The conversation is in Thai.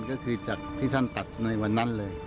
ก็คือจากที่ท่านตัดในวันนั้นเลย